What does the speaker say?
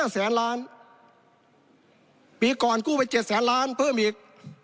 แสนล้านปีก่อนกู้ไป๗แสนล้านเพิ่มอีก